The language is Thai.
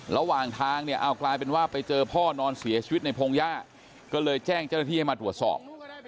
ระหว่างทางเนี่ยเอากลายเป็นว่าไปเจอพ่อนอนเสียชีวิตในพงหญ้าก็เลยแจ้งเจ้าหน้าที่ให้มาตรวจสอบ